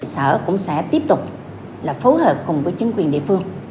sở cũng sẽ tiếp tục phối hợp cùng với chính quyền địa phương